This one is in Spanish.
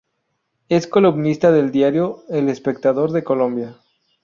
Es columnista del diario El Espectador de Colombia.